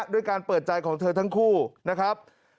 ด้วยการเปิดใจของเธอทั้งคู่นะครับ